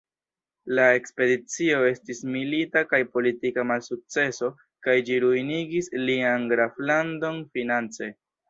La ekspedicio estis milita kaj politika malsukceso, kaj ĝi ruinigis lian Graflandon finance.